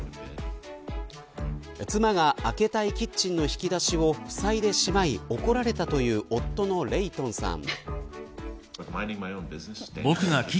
妻が開けたいキッチンの引き出しをふさいでしまい怒られたという夫のレイトンさん。